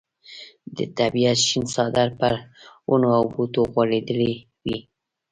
د طبیعت شین څادر پر ونو او بوټو غوړېدلی وي.